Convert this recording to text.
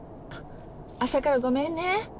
朝からごめんね。